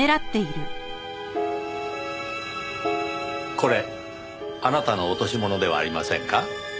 これあなたの落とし物ではありませんか？